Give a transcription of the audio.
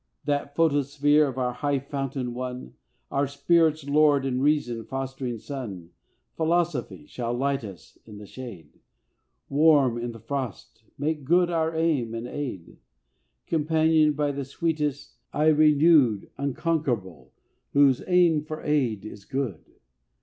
That photosphere of our high fountain One, Our spirit's Lord and Reason's fostering sun, Philosophy, shall light us in the shade, Warm in the frost, make Good our aim and aid. Companioned by the sweetest, ay renewed, Unconquerable, whose aim for aid is Good!